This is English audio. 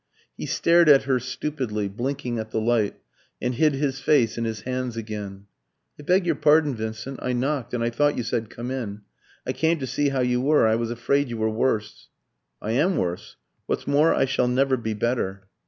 He stared at her stupidly, blinking at the light, and hid his face in his hands again. "I beg your pardon, Vincent. I knocked, and I thought you said 'Come in.' I came to see how you were; I was afraid you were worse." "I am worse. What's more, I shall never be better."